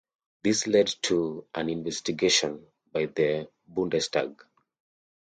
This led to an investigation by the Bundestag.